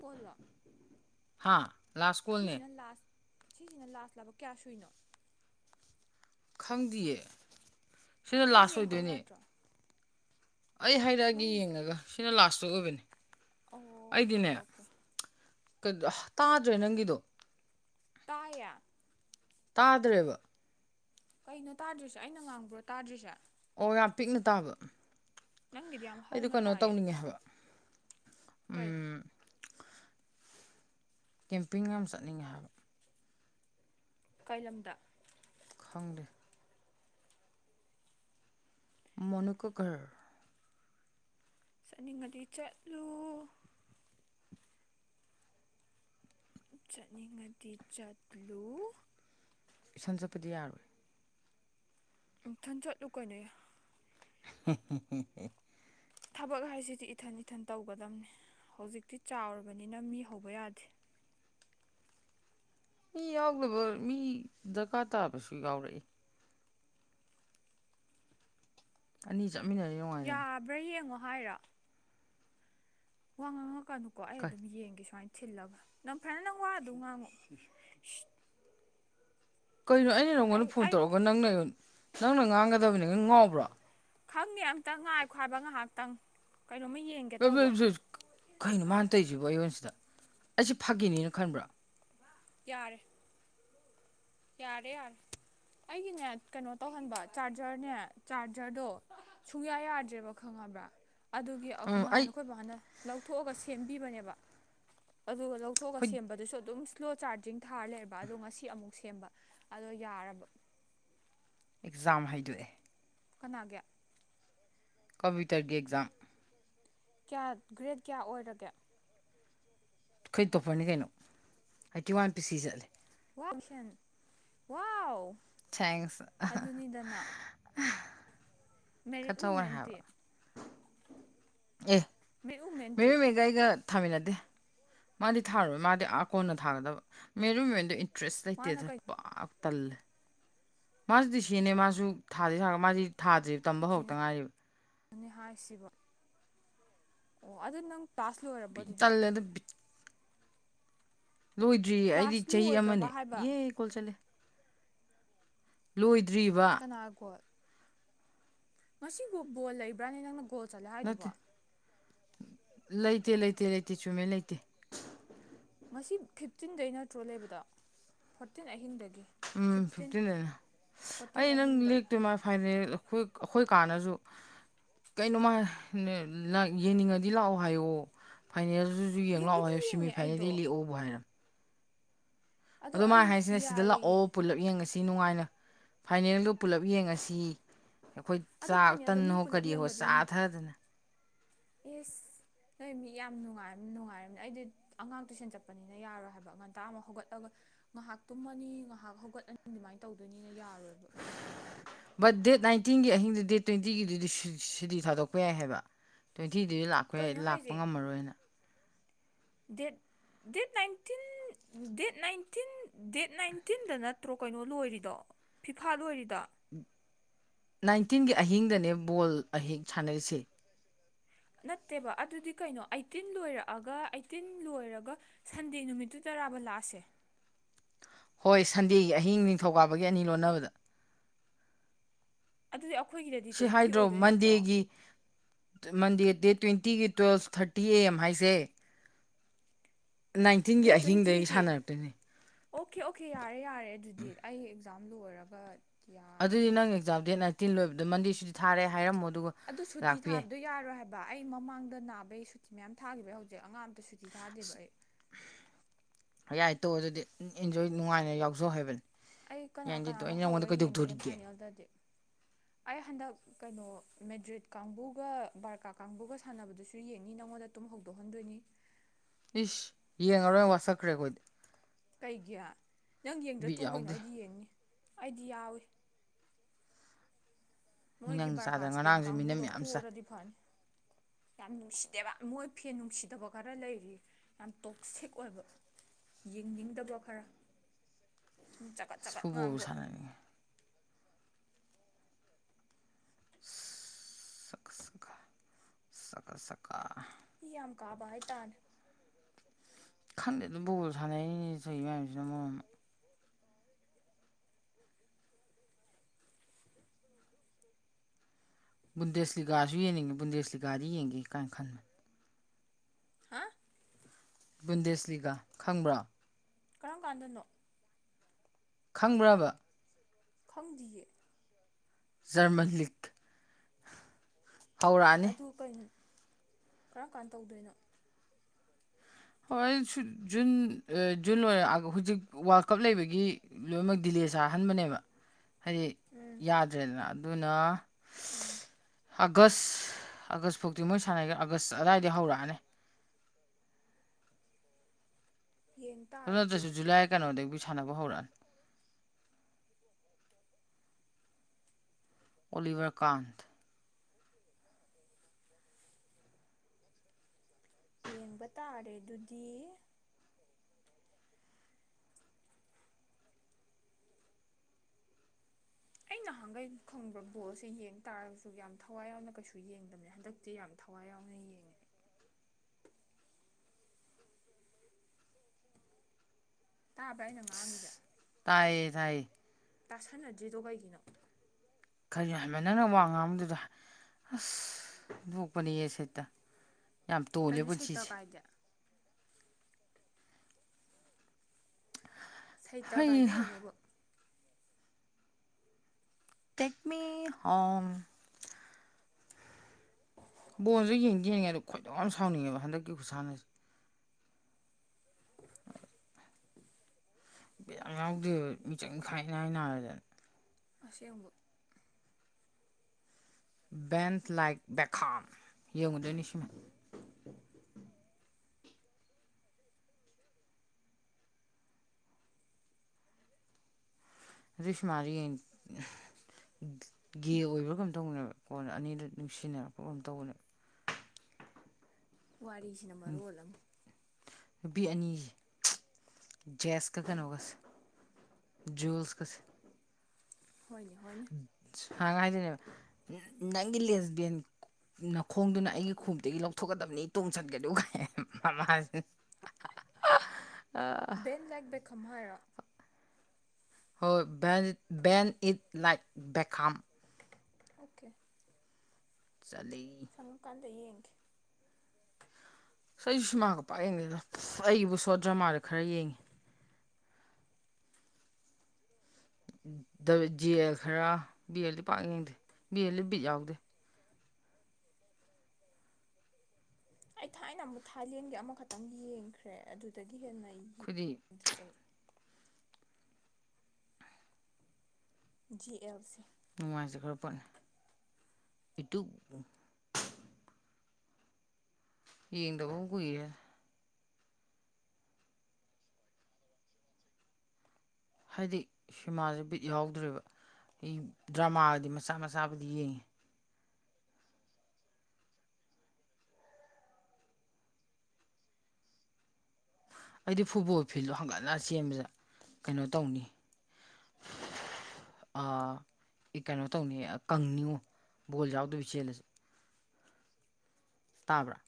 Follow ꯍꯥ ꯂꯥꯁ ꯀꯣꯜꯅꯦ ꯁꯤꯁꯤꯅ ꯂꯥꯁ ꯁꯤꯁꯤꯅ ꯂꯥꯁꯂꯕ ꯀ꯭ꯌꯥ ꯁꯨꯏꯅꯣ ꯈꯪꯗꯤꯌꯦ ꯁꯤꯅ ꯅꯪ ꯂꯥꯁ ꯌꯦꯡꯍꯧ ꯑꯣꯏꯗꯣꯏꯅꯦ ꯌꯥꯗ꯭ꯔꯣ ꯑꯩ ꯍꯥꯏꯔꯛꯑꯒꯦ ꯅꯪꯒꯤ ꯌꯦꯡꯉꯒ ꯁꯤꯅ ꯂꯥꯁꯁꯨ ꯑꯣꯏꯕꯅꯤ ꯑꯣꯀꯦ ꯑꯩꯗꯤꯅꯦ ꯑꯣꯀꯦ ꯀꯩꯗ ꯇꯥꯗ꯭ꯔꯦ ꯅꯪꯒꯤꯗꯣ ꯇꯥꯏꯌꯦ ꯇꯥꯗ꯭ꯔꯦꯕ ꯀꯩꯅꯣ ꯇꯥꯗ꯭ꯔꯤꯁꯦ ꯑꯩꯅ ꯉꯥꯡꯕ꯭ꯔꯣ ꯇꯥꯗ꯭ꯔꯤꯁꯦ ꯑꯣ ꯌꯥꯝ ꯄꯤꯛꯅ ꯇꯥꯕ ꯅꯪꯒꯤꯗꯤ ꯌꯥꯝ ꯑꯩꯗꯣ ꯍꯧꯅ ꯀꯩꯅꯣ ꯇꯥꯏꯌꯦ ꯇꯧꯅꯤꯡꯉꯦ ꯍꯥꯏꯕ ꯀꯩ ꯀꯦꯝꯄꯤꯡ ꯌꯥꯝ ꯆꯠꯅꯤꯡꯉꯦ ꯍꯥꯏꯕ ꯀꯩ ꯂꯝꯗ ꯈꯪꯗꯦ ꯃꯣꯅꯨꯀꯨꯀꯔ ꯆꯠꯅꯤꯡꯉꯗꯤ ꯆꯠꯂꯨ ꯆꯠꯅꯤꯡꯉꯗꯤ ꯆꯠꯂꯨ ꯏꯁꯟ ꯆꯠꯄꯗꯤ ꯌꯥꯔꯣꯏ ꯏꯪꯊꯟ ꯆꯠꯂꯨ ꯀꯩꯅꯣ ꯑꯦ [unintelligible] ꯊꯕꯛ ꯍꯥꯏꯁꯤꯗꯤ ꯏꯊꯟ ꯏꯊꯟ ꯇꯧꯒꯗꯝꯅꯤ ꯍꯧꯖꯤꯛꯇꯤ ꯆꯥꯎꯔꯕꯅꯤꯅ ꯃꯤ ꯍꯧꯕ ꯌꯥꯗꯦ ꯃꯤ ꯌꯥꯎꯗꯕ ꯃꯤ ꯗꯔꯀꯥꯔ ꯇꯥꯕꯁꯨ ꯌꯥꯎꯔꯛꯏ ꯑꯅꯤ ꯆꯠꯃꯤꯟꯅꯔꯤ ꯅꯨꯡꯉꯥꯏꯗꯅ ꯌꯥꯕ꯭ꯔꯥ ꯌꯦꯡꯉꯣ ꯍꯥꯏꯔꯣ ꯋꯥ ꯉꯥꯡꯉꯛꯀꯅꯨꯀꯣ ꯑꯩ ꯀꯩ ꯑꯗꯨꯝ ꯌꯦꯡꯒꯦ ꯁ꯭ꯋꯥꯏꯟ ꯊꯤꯜꯂꯒ ꯅꯪ ꯐ꯭ꯔꯅ ꯋꯥ ꯑꯗꯨꯝ ꯉꯥꯡꯉꯣ ꯀꯩꯅꯣ ꯑꯩꯅ ꯑꯩ ꯅꯉꯣꯟꯗ ꯐꯣꯟ ꯑꯩ ꯇꯧꯔꯛꯒ ꯅꯪꯅ ꯑꯩꯉꯣꯟ ꯅꯪꯅ ꯉꯥꯡꯒꯗꯕꯅꯤ ꯅꯪ ꯉꯥꯎꯕ꯭ꯔꯣ ꯈꯪꯉꯦ ꯑꯝꯇ ꯉꯥꯏꯈꯣ ꯍꯥꯏꯕ ꯉꯥꯏꯍꯥꯛꯇꯪ ꯀꯩꯅꯣꯃ ꯌꯦꯡ [unintelligible] ꯀꯩꯅꯣ ꯃꯥꯟ ꯇꯧꯔꯤꯁꯤꯕꯣ ꯑꯩꯉꯣꯟꯁꯤꯗ ꯑꯩꯁꯤ ꯐꯥꯒꯤꯅꯤꯅ ꯈꯟꯕ꯭ꯔꯣ ꯌꯥꯔꯦ ꯌꯥꯔꯦ ꯌꯥꯔꯦ ꯑꯩꯒꯤꯅꯦ ꯀꯩꯅꯣ ꯇꯧꯍꯟꯕ ꯆꯥꯔꯖꯔꯅꯦ ꯆꯥꯔꯖꯔꯗꯣ ꯁꯨꯡꯌꯥ ꯌꯥꯗ꯭ꯔꯦꯕ ꯈꯪꯉꯕ꯭ꯔꯥ ꯑꯗꯨꯒꯤ ꯑꯛ ꯎꯝ ꯑꯩ ꯅꯍꯥꯟ ꯑꯈꯣꯏ ꯕꯥꯅ ꯂꯧꯊꯣꯛꯑꯒ ꯁꯦꯝꯕꯤꯕꯅꯦꯕ ꯑꯗꯨꯒ ꯂꯧꯊꯣꯛꯑꯒ ꯑꯩꯈꯣꯏ ꯁꯦꯝꯕꯗꯁꯨ ꯑꯗꯨꯝ ꯏꯁ꯭ꯂꯣ ꯆꯥꯔꯖꯤꯡ ꯊꯥꯔ ꯂꯩꯕ ꯑꯗꯣ ꯉꯁꯤ ꯑꯃꯨꯛ ꯁꯦꯝꯕ ꯑꯗꯣ ꯌꯥꯔꯕ ꯑꯦꯛꯖꯥꯝ ꯍꯥꯏꯗꯣꯛꯑꯦ ꯀꯅꯥꯒꯤ ꯀꯝꯄ꯭ꯌꯨꯇꯔꯒꯤ ꯑꯦꯛꯖꯥꯝ ꯀ꯭ꯌꯥ ꯒ꯭ꯔꯦꯠ ꯀ꯭ꯌꯥ ꯑꯣꯏꯔꯒꯦ ꯈꯣꯏ ꯇꯣꯞꯄꯔꯅꯤ ꯀꯩꯅꯣ ꯍꯥꯏꯇꯤ ꯋꯥꯟ ꯄꯤ ꯁꯤ ꯆꯠꯂꯦ ꯋꯥ [unintelligible] ꯁꯟ ꯋꯥꯎ ꯊꯦꯡꯁ ꯑꯗꯨꯅꯤꯗꯅ [unintelligible] ꯃꯦꯔꯤꯠ ꯋꯨꯃꯦꯟꯇꯤ ꯑꯦ ꯃꯦꯔꯤꯠ ꯎꯃꯦꯟꯇꯤ ꯃꯦꯔꯤ ꯃꯤ ꯑꯩꯒ ꯊꯥꯃꯤꯟꯅꯗꯦ ꯃꯥꯗꯤ ꯊꯥꯔꯣꯏ ꯃꯥꯗꯤ ꯑꯥ ꯀꯣꯟꯅ ꯊꯥꯒꯗꯕ ꯃꯦꯔꯤꯃꯦꯟꯗꯤ ꯇ꯭ꯔꯦꯁ ꯃꯥꯅ ꯂꯩꯇꯦꯗ ꯀꯩ ꯄꯥꯛ ꯇꯜꯂꯦ ꯃꯥꯁꯨ ꯗꯤꯁꯤꯅꯦ ꯃꯥꯁꯨ ꯊꯥꯗꯤ ꯊꯥꯔꯒ ꯃꯥꯗꯤ ꯊꯥꯗ꯭ꯔꯤ ꯇꯝꯕ ꯍꯧꯔꯛꯇ ꯉꯥꯏꯔꯤꯕ ꯑꯅꯤ ꯍꯥꯏꯁꯤꯕꯣ ꯑꯣ ꯑꯗꯨ ꯅꯪ ꯄꯥꯁ ꯂꯣꯏꯔꯕꯣ ꯕꯤ- ꯑꯗꯨꯗꯤ ꯇꯜꯂꯦꯗ ꯂꯣꯏꯗ꯭ꯔꯤꯌꯦ ꯑꯩꯗꯤ ꯀ꯭ꯂꯥꯁ ꯆꯍꯤ ꯂꯣꯏꯈ꯭ꯔꯕ ꯑꯃꯅꯦ ꯍꯥꯏꯕ ꯌꯦ ꯀꯣꯜ ꯆꯜꯂꯦ ꯂꯣꯏꯗ꯭ꯔꯤꯕ ꯀꯅꯥ ꯒꯣꯜ ꯉꯁꯤ ꯒꯣ ꯕꯣꯜ ꯂꯩꯕ꯭ꯔꯅꯦ ꯅꯪꯅ ꯒꯣꯜ ꯆꯠꯂꯦ ꯅꯠꯇꯦ ꯍꯥꯏꯗꯨꯕꯣ ꯂꯩꯇꯦ ꯂꯩꯇꯦ ꯂꯩꯇꯦ ꯆꯨꯝꯃꯦ ꯂꯩꯇꯦ ꯉꯁꯤ ꯐꯤꯞꯇꯤꯟꯗꯩ ꯅꯠꯇ꯭ꯔꯣ ꯂꯩꯕꯗꯣ ꯐꯣꯔꯇꯤꯟ ꯑꯍꯤꯡꯗꯒꯤ ꯎꯝ ꯐꯤꯐꯇꯤꯟ ꯐꯤꯐꯇꯤꯟꯗꯅꯦ ꯐꯣꯔꯇꯤꯟ ꯑꯩ ꯅꯪ ꯑꯍꯤꯡꯗ ꯂꯤꯛ ꯇꯨꯃꯥ ꯐꯥꯏꯅꯦꯜ ꯑꯩꯈꯣꯏ ꯑꯈꯣꯏ ꯀꯥꯅꯖꯨ ꯀꯩꯅꯣꯃꯥ ꯅꯦ ꯂꯥꯛ ꯌꯦꯡꯅꯤꯡꯉꯗꯤ ꯂꯥꯑꯣ ꯍꯥꯏꯌꯣ ꯐꯥꯏꯅꯦꯜꯖꯨ ꯗꯨꯖꯨ ꯌꯦꯡ ꯂꯥꯛꯑꯣ ꯌꯦꯡꯕꯨꯗꯤ ꯍꯥꯏ ꯌꯦꯡꯉꯦ ꯑꯩꯗꯣ ꯁꯦꯃꯤꯐꯥꯏꯅꯦꯜꯗꯩ ꯂꯦꯛꯑꯣꯕꯨ ꯍꯥꯏꯔꯝ ꯑꯗꯣ ꯑꯗꯨ ꯃꯥ ꯑꯩ ꯍꯥꯏꯁꯤꯅ ꯁꯤꯗ ꯂꯥꯑꯣ ꯌꯥꯔꯣꯏꯌꯦ ꯄꯨꯂꯞ ꯌꯦꯡꯉꯁꯤ ꯁꯤ ꯅꯨꯡꯉꯥꯏꯅ ꯐꯥꯏꯅꯦꯜꯗꯣ ꯄꯨꯂꯞ ꯌꯦꯡꯉꯁꯤ ꯑꯩꯈꯣꯏ ꯑꯗꯣ ꯆꯥꯛ ꯐꯥꯏꯅꯦꯜꯗꯣ ꯃꯤ ꯇꯟꯅꯍꯣ ꯀꯔꯤꯍꯣ ꯆꯥꯊꯗꯅ ꯏꯁ ꯅꯣꯏ ꯃꯤ ꯌꯥꯝ ꯅꯨꯡꯉꯥꯏꯝ ꯅꯨꯡꯉꯥꯏꯔꯝꯅꯤ ꯑꯩꯗꯤꯠ ꯑꯉꯥꯡ ꯇꯨꯏꯁꯟ ꯆꯞꯄꯅꯤꯅ ꯌꯥꯔꯣꯏ ꯍꯥꯏꯕ ꯉꯟꯇꯥ ꯑꯃꯨꯛ ꯍꯧꯒꯠꯂꯒ ꯉꯥꯍꯥꯛ ꯇꯨꯝꯃꯅꯤ ꯉꯥꯍꯥꯛ ꯍꯧꯒꯠꯂꯅꯤ ꯑꯗꯨꯃꯥꯏ ꯇꯧꯗꯣꯏꯅꯤꯅ ꯌꯥꯔꯣꯏꯕ ꯕꯠ ꯗꯦꯠ ꯅꯥꯏꯟꯇꯤꯟꯒꯤ ꯑꯍꯤꯡꯗꯨ ꯗꯦꯠ ꯇꯣꯏꯟꯇꯤꯒꯤꯗꯨꯗꯤ ꯁꯨ ꯁꯨꯗꯤ ꯊꯥꯗꯣꯛꯄ ꯌꯥꯏ ꯍꯥꯏꯕ ꯇꯣꯏꯟꯇꯤꯗꯨꯗꯤ ꯂꯥꯛ ꯈꯣꯌꯦ ꯀꯩꯅꯣ ꯂꯥꯛꯄ ꯍꯥꯏꯁꯦ ꯉꯝꯃꯔꯣꯏꯅ date date nineteen date nineteen date ꯅꯥꯏꯟꯇꯤꯟꯗ ꯅꯠꯇ꯭ꯔꯣ ꯀꯩꯅꯣ ꯂꯣꯏꯔꯤꯗꯣ ꯐꯤꯐꯥ ꯂꯣꯏꯔꯤꯗꯣ ꯅꯥꯏꯟꯇꯤꯟꯒꯤ ꯑꯍꯤꯡꯗꯅꯦ ꯕꯣꯜ ꯑꯍꯦꯛ ꯁꯥꯅꯩꯁꯦ ꯅꯠꯇꯦꯕ ꯑꯗꯨꯗꯤ ꯀꯩꯅꯣ ꯑꯥꯏꯇꯤꯟ ꯂꯣꯏꯔꯑꯒ ꯑꯥꯏꯇꯤꯟ ꯂꯣꯏꯔꯒ ꯁꯟꯗꯦ ꯅꯨꯃꯤꯠꯇꯨꯗꯔꯥꯕ ꯂꯥꯁꯁꯦ ꯍꯣꯏ ꯁꯟꯗꯦꯒꯤ ꯑꯍꯤꯡ ꯅꯤꯡꯊꯧꯀꯥꯕꯒꯤ ꯑꯅꯤ ꯂꯣꯟꯅꯕꯗ ꯑꯗꯨꯗꯤ ꯑꯈꯣꯏꯒꯤꯗꯗꯤ ꯁꯤ ꯍꯥꯏꯗ꯭ꯔꯣ ꯃꯟꯗꯦꯒꯤ ꯇꯨ ꯃꯟꯗꯦ ꯗꯦꯠ ꯇꯣꯏꯟꯇꯤꯒꯤ ꯇꯨꯋꯦꯜꯞ ꯊꯥꯔꯇꯤ ꯑꯦ ꯑꯦꯝ ꯍꯥꯏꯖꯦ ꯅꯥꯏꯟꯇꯤꯟꯒꯤ ꯑꯍꯤꯡꯗꯩ ꯁꯥꯟꯅꯔꯛꯇꯣꯏꯅꯦ ꯑꯣꯈꯦ ꯑꯣꯈꯦ ꯌꯥꯔꯦ ꯌꯥꯔꯦ ꯑꯗꯨꯗꯤ ꯑꯩ ꯑꯦꯛꯖꯥꯝ ꯂꯣꯏꯔꯒ ꯑꯗꯨꯗꯤ ꯅꯪ ꯑꯦꯛꯖꯥꯝ ꯗꯦꯠ ꯅꯥꯏꯟꯇꯤꯟ ꯂꯣꯏꯕꯗ ꯃꯟꯗꯦ ꯁꯨꯇꯤ ꯊꯥꯔꯦ ꯍꯥꯏꯔꯝꯃꯣ ꯑꯗꯨꯒ ꯑꯗꯨ ꯁꯨꯇꯤ ꯂꯥꯛꯄ ꯌꯥꯏ ꯊꯥꯕꯗꯣ ꯌꯥꯔꯣꯏ ꯍꯥꯏꯕ ꯑꯩ ꯃꯃꯥꯡꯗ ꯅꯥꯕꯩ ꯁꯨꯇꯤ ꯃꯌꯥꯝ ꯊꯥꯒꯤꯕꯩ ꯍꯧꯖꯤꯛ ꯑꯉꯥꯡ ꯑꯝ ꯇ ꯁꯨꯇꯤ ꯊꯥꯗꯦꯕ ꯑꯩ ꯌꯌꯥꯏ ꯇꯣꯑꯣꯕ ꯑꯗꯨꯗꯤ ꯏꯟꯖꯣꯏ ꯅꯨꯡꯉꯥꯏꯅ ꯌꯥꯎꯖꯧ ꯍꯥꯏꯕꯅꯤ ꯑꯩ ꯀꯅꯥ ꯌꯥꯅꯤꯡꯗꯦ ꯇꯣꯛꯑꯣ ꯀꯅꯥꯅꯣ ꯑꯩ ꯅꯪꯉꯣꯟꯗ ꯍꯧꯔ ꯌꯦꯡꯗꯣꯏꯅꯦ ꯀꯩꯗꯧꯗꯣꯔꯤꯒꯦ ꯐꯥꯏꯅꯦꯜꯗꯗꯤ ꯑꯩ ꯍꯟꯗꯛ ꯀꯩꯅꯣ ꯃꯦꯗ꯭ꯔꯤꯠ ꯀꯥꯡꯕꯨꯒ ꯕꯥꯔꯀꯥ ꯀꯥꯡꯕꯨꯒ ꯁꯥꯟꯅꯕꯗꯨꯁꯨ ꯌꯦꯡꯅꯤ ꯅꯉꯣꯟꯗ ꯇꯨꯝ ꯍꯧꯗꯣꯛꯍꯟꯗꯣꯏꯅꯤ ꯏꯁ ꯌꯦꯡꯉꯔꯣꯏ ꯋꯥꯁꯛꯈ꯭ꯔꯦ ꯑꯈꯣꯏꯗꯤ ꯀꯩꯒꯤ ꯅꯪ ꯌꯦꯡꯗ꯭ꯔ ꯕꯤꯠ ꯇꯣꯛꯎ ꯀꯩꯅꯣ ꯌꯥꯎꯗꯦ ꯑꯩꯗꯤ ꯌꯦꯡꯅꯤ ꯑꯩꯗꯤ ꯌꯥꯎꯋꯤ ꯃꯣꯏꯒꯤ ꯃꯤꯅꯪ ꯕꯥꯔꯀꯥ ꯆꯥꯗꯅ ꯏꯁꯄꯦꯟ ꯉꯔꯥꯡꯁꯨ ꯃꯤꯅꯝ ꯀꯥꯡꯕꯨꯗꯣ ꯌꯥꯝ ꯆꯥꯏ ꯄꯣꯔꯗꯤ ꯐꯅꯤ ꯌꯥꯝ ꯅꯨꯡꯁꯤꯗꯦꯕ ꯃꯣꯏ ꯐꯦꯟ ꯅꯨꯡꯁꯤꯗꯕ ꯈꯔ ꯂꯩꯔꯤ ꯌꯥꯝ ꯇꯣꯛꯁꯤꯛ ꯑꯣꯏꯕ ꯌꯦꯡꯅꯤꯡꯗꯕ ꯈꯔ ꯍꯨꯝ ꯆꯒꯠ ꯆꯒꯠ ꯐꯨꯠꯕꯣꯜꯕꯨ ꯉꯥꯡꯕ ꯁꯥꯟꯅꯅꯤꯡꯉꯦ ꯁꯛ ꯁꯛꯀꯥ ꯁꯀꯥ ꯁꯀꯥ ꯏ ꯌꯥꯝ ꯀꯥꯕ ꯍꯥꯏꯇꯥꯔꯦ ꯈꯪꯗꯦꯗ ꯕꯣꯜ ꯁꯥꯅꯩꯅꯤ ꯇꯧꯏ ꯃꯌꯥꯝꯖꯤꯅ ꯃꯔꯣꯟꯃ ꯕꯨꯟꯗꯦꯁꯂꯤꯒꯥꯥꯖꯨ ꯌꯦꯡꯅꯤꯡꯉꯦ ꯕꯨꯟꯗꯦꯁꯂꯤꯒꯥꯥꯗꯤ ꯌꯦꯡꯒꯦ ꯀꯥꯏ ꯈꯟꯕꯅꯦ ꯍꯥ ꯕꯨꯟꯗꯦꯖꯂꯤꯒ ꯈꯪꯕ꯭ꯔꯣ ꯀꯔꯝ ꯀꯥꯟꯗꯅꯣ ꯈꯪꯕ꯭ꯔꯕ ꯈꯪꯗꯤꯌꯦ ꯖꯔꯃꯟ ꯂꯤꯛ ꯍꯧꯔꯛꯑꯅꯤ ꯑꯗꯨ ꯀꯩꯅꯣ ꯀꯔꯝ ꯀꯥꯟ ꯇꯧꯗꯣꯏꯅꯣ ꯍꯣꯏꯁꯨ ꯖꯨꯟ ꯑ ꯖꯨꯟ ꯑꯣꯏꯔ ꯍꯧꯖꯤꯛ ꯋꯥꯔꯜ ꯀꯞ ꯂꯩꯕꯒꯤ ꯂꯣꯏꯃꯛ ꯗꯤꯂꯦ ꯆꯥꯍꯟꯕꯅꯦꯕ ꯍꯥꯏꯗꯤ ꯎꯝ ꯌꯥꯗ꯭ꯔꯦꯅ ꯑꯗꯨꯅ ꯎꯝ ꯑꯥꯒꯁ ꯑꯥꯒꯁ ꯐꯥꯎꯇꯤ ꯃꯣꯏ ꯁꯥꯟꯅꯒꯦꯔ ꯑꯥꯒꯁ ꯑꯗꯥꯏꯗꯤ ꯍꯧꯔꯛꯑꯅꯤ ꯌꯦꯡ ꯑꯗꯨ ꯇꯥꯔꯦ ꯅꯠꯇꯁꯨ ꯑꯗꯨꯗꯤ ꯖꯨꯂꯥꯏ ꯀꯅꯣꯗꯒꯤ ꯁꯥꯟꯅꯕ ꯍꯧꯔꯛꯑꯅꯤ ꯑꯣꯂꯤꯚꯔ ꯀꯥꯟꯇ ꯌꯦꯡꯕ ꯇꯥꯔꯦ ꯗꯨꯗꯤ ꯑꯩ ꯅꯍꯥꯟꯒꯩ ꯈꯪꯕ ꯕꯣꯜꯁꯦ ꯌꯦꯡ ꯇꯥꯔꯁꯨ ꯌꯥꯝ ꯊꯋꯥꯏ ꯌꯥꯎꯅ ꯀꯩꯁꯨ ꯌꯦꯡꯗꯕꯅꯦ ꯍꯟꯗꯛ ꯊꯤ ꯌꯥꯝ ꯊꯋꯥꯏ ꯌꯥꯎꯅ ꯌꯦꯡꯉꯦ ꯇꯥꯕ꯭ꯔ ꯑꯩꯅ ꯉꯥꯡꯉꯤꯖꯦ ꯇꯥꯏꯌꯦ ꯊꯥꯏ ꯇꯥꯁꯟꯅꯗ꯭ꯔꯤꯗꯣ ꯀꯩꯒꯤꯅꯣ ꯈꯔꯤꯅꯣ ꯍꯩꯃ ꯅꯪꯅ ꯋꯥ ꯉꯥꯡꯕꯗꯨꯗ ꯑꯁ ꯗꯣꯛꯄꯅꯤꯌꯦ ꯁꯩꯇ ꯌꯥꯝ ꯇꯣꯜꯂꯦ ꯀꯩꯅꯣ ꯁꯩꯇ ꯄꯨꯟꯁꯤꯁꯦ ꯀꯥꯏꯗꯤ ꯁꯩꯇ ꯀꯥꯏꯗꯤ ꯍꯩꯍꯥ ꯀꯩꯅꯣꯕ ꯇꯦꯛꯃꯤ ꯍꯣꯝ [unintelligible] ꯕꯣꯜꯖꯨ ꯌꯦꯡꯒ ꯌꯦꯡꯉꯦꯗ ꯈꯣꯏꯗꯧ ꯌꯥꯝꯅ ꯁꯥꯎꯅꯤꯡꯉꯦꯕ ꯍꯟꯗꯛꯀꯤ ꯈꯨꯁꯥꯟꯅꯁꯦ [unintelligible] ꯕꯤꯠ ꯌꯥꯝ ꯌꯥꯎꯗꯦ ꯃꯤꯆꯪ ꯈꯥꯏ ꯏꯅꯥꯏ ꯅꯥꯔꯗꯅ ꯑꯁꯦꯡꯕ ꯕꯦꯟ ꯂꯥꯏꯛ ꯕꯦꯈꯝ ꯌꯦꯡꯉꯨꯗꯣꯏꯅꯤꯁꯤ [unintelligible] [unintelligible] ꯒꯦ ꯑꯣꯏꯕ꯭ꯔꯥ ꯀꯩꯅꯝ ꯇꯧꯕꯅꯦꯕ ꯀꯣꯟꯅ ꯑꯅꯤꯗ ꯅꯨꯡꯁꯤꯅꯔꯛꯄ [unintelligible] ꯇꯧꯕꯅꯦ ꯋꯥꯔꯤꯁꯤꯅ ꯃꯔꯣꯜ ꯑꯃ ꯅꯨꯄꯤ ꯑꯅꯤ ꯖꯦꯁꯀ ꯀꯩꯅꯣꯒꯁ ꯖꯨꯁ ꯀꯁ ꯍꯣꯏꯅꯦ ꯍꯣꯏꯟ ꯁꯥꯏꯒ ꯍꯥꯏꯗꯣꯏꯅꯦꯕ ꯅꯪꯒꯤ ꯂꯦꯁꯕꯦꯟ ꯅꯈꯣꯡꯗꯨꯅ ꯑꯩꯒꯤ ꯈꯎꯇꯗꯒꯤ ꯂꯧꯊꯣꯛꯀꯗꯕꯅꯤ ꯇꯣꯡꯁꯟꯀꯅꯨ ꯀ ꯍꯥꯏ ꯃꯃꯥꯁꯤꯅ [inaudible] ꯏꯟ ꯂꯦꯛ ꯕꯦꯛ ꯈꯝ ꯍꯥꯏꯔꯣ ꯍꯣꯏ ꯕꯦꯟ ꯕꯦꯟ ꯏꯠ ꯂꯥꯏꯛ ꯕꯦꯈꯥꯝ ꯑꯣꯀꯦ ꯆꯂꯤ ꯐꯪꯀꯥꯟꯗ ꯌꯦꯡꯈꯤ ꯑꯩꯁꯨ ꯁꯤꯃꯥꯒ ꯄꯥꯛ ꯌꯦꯡꯗꯦꯗ ꯑꯩꯕꯨ ꯁꯣꯔꯠ ꯗ꯭ꯔꯃꯥꯗ ꯈꯔ ꯌꯦꯡꯉꯤ ꯗꯕ ꯖꯤꯑꯦꯜ ꯈꯔ ꯕꯤ ꯑꯦꯜꯗꯤ ꯄꯥꯛ ꯌꯦꯡꯗꯦ ꯕꯤ ꯑꯦꯜꯗꯤ ꯕꯤꯠ ꯌꯥꯎꯗꯦ꯫ ꯑꯩ ꯊꯥꯏꯅ ꯑꯃꯨꯛ ꯊꯥꯏꯂꯦꯟꯒꯤ ꯑꯃꯈꯛꯇꯪ ꯌꯦꯡꯈ꯭ꯔꯦ ꯑꯗꯨꯗꯒꯤ ꯍꯦꯟꯅꯩ ꯈꫭꯏꯗꯤ three eight G L C. ꯅꯨꯡꯉꯥꯏꯖ ꯈꯔ ꯄꯣꯠꯅ ꯏꯇꯨ ꯌꯦꯡꯗꯕ ꯀꯨꯏꯔꯦ꯫ ꯍꯥꯏꯗꯤ ꯁꯤꯃꯥꯁꯦ ꯕꯤꯠ ꯌꯥꯎꯗ꯭ꯔꯦꯕ ꯑꯩ ꯗ꯭ꯔꯃꯥꯗꯤ ꯃꯆꯥ ꯃꯆꯥꯕꯨꯗꯤ ꯌꯦꯡꯉꯤ꯫ ꯑꯩꯗꯤ ꯐꯨꯠꯕꯣꯜ ꯐꯤꯜꯗꯣ ꯍꯪꯒꯠꯅ ꯆꯦꯟꯕꯗ ꯀꯩꯅꯣ ꯇꯧꯅꯤ꯫ [unintelligible] ꯑꯦ ꯏ ꯀꯩꯅꯣ ꯇꯧꯅꯤ ꯀꯪꯅꯤꯉꯣ ꯕꯣꯜ ꯌꯥꯎꯗꯣꯏ ꯆꯦꯜꯂꯁ ꯇꯥꯕ꯭ꯔꯥ꯫